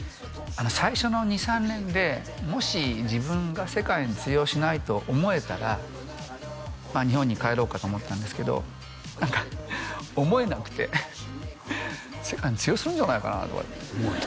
最初の２３年でもし自分が世界に通用しないと思えたら日本に帰ろうかと思ったんですけど何か思えなくて世界に通用するんじゃないかなとか思った？